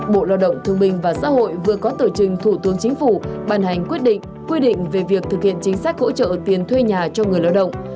bộ lao động thương minh và xã hội vừa có tờ trình thủ tướng chính phủ bàn hành quyết định quy định về việc thực hiện chính sách hỗ trợ tiền thuê nhà cho người lao động